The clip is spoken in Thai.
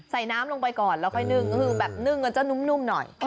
ใส่น้ำลงไปก่อนแล้วค่อยนึ่งก็คือแบบนึ่งกันจะนุ่มหน่อย